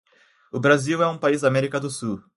O Brasil é um país da América do Sul.